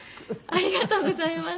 ありがとうございます。